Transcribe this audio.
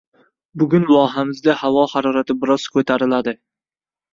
Bugun vohamizda havo harorati biroz koʻtariladi.